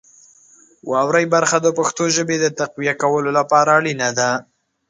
واورئ برخه د پښتو ژبې د تقویه کولو لپاره اړینه ده.